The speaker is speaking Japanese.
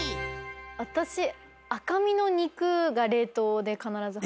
私赤身の肉が冷凍で必ず。